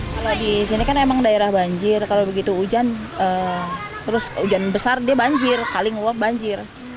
kalau di sini kan emang daerah banjir kalau begitu hujan terus hujan besar dia banjir kali ngewap banjir